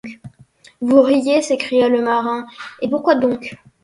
Vous riez, s’écria le marin, et pourquoi donc